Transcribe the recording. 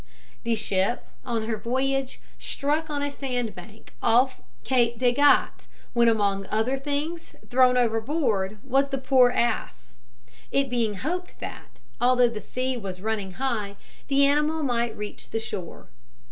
The ship, on her voyage, struck on a sand bank off Cape de Gat, when among other things thrown overboard was the poor ass; it being hoped that, although the sea was running high, the animal might reach the shore.